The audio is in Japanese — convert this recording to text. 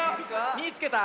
「みいつけた！